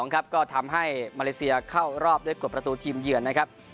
ก็ทำให้มาเลเซียเข้ารอบด้วยกฎประตูทีมเยือนนะครับ